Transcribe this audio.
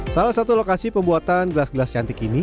salah satu lokasi pembuatan gelas gelas cantik ini